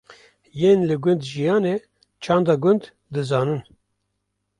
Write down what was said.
yên li gund jiyane çanda gund dizanin